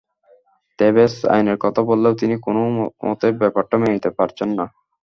Tebas আইনের কথা বললেও তিনিও কোনো মতেই ব্যাপারটা মেনে নিতে পারছেন না।